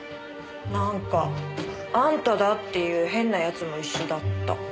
なんかあんただっていう変な奴も一緒だった。